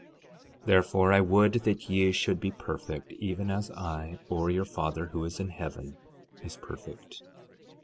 12:48 Therefore I would that ye should be perfect even as I, or your Father who is in heaven is perfect.